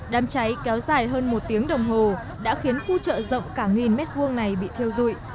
đám cháy kéo dài hơn một tiếng đồng hồ đã khiến khu chợ rộng cả nghìn mét vuông này bị thiêu dụi